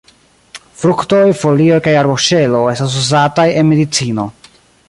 Fruktoj, folioj kaj arboŝelo estas uzataj en medicino.